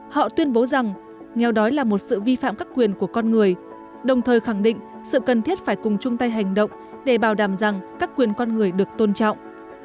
họ tuyên bố rằng nghèo đói là một sự vi phạm các quyền của con người đồng thời khẳng định sự cần thiết phải cùng chung tay hành động để bảo đảm rằng các quyền con người được tôn trọng